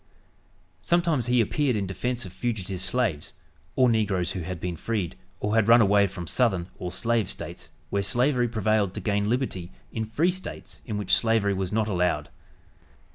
Sometimes he appeared in defense of fugitive slaves, or negroes who had been freed or had run away from southern or "slave" States where slavery prevailed to gain liberty in "free" States in which slavery was not allowed.